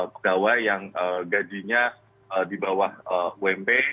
pegawai yang gajinya di bawah ump